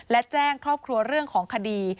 และแจ้งครอบครัวเรื่องของคดี